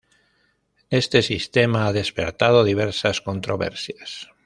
Este sistema ha despertado diversas controversias.